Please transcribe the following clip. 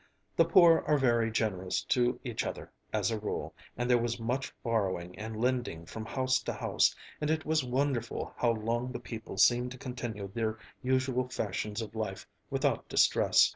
The poor are very generous to each other, as a rule, and there was much borrowing and lending from house to house, and it was wonderful how long the people seemed to continue their usual fashions of life without distress.